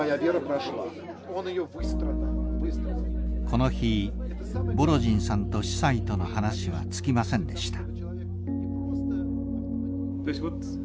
この日ボロジンさんと司祭との話は尽きませんでした。